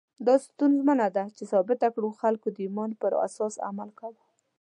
دا ستونزمنه ده چې ثابته کړو خلکو د ایمان پر اساس عمل کاوه.